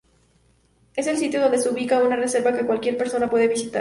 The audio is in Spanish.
Es el sitio donde se ubica una reserva que cualquier persona puede visitar.